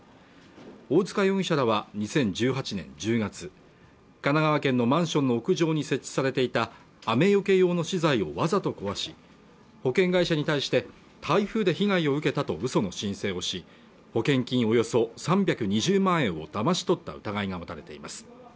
大塚容疑者らは２０１８年１０月神奈川県のマンションの屋上に設置されていた雨よけ用の資材をわざと壊し保険会社に対して台風で被害を受けたとうその申請をし保険金およそ３２０万円をだまし取った疑いが持たれています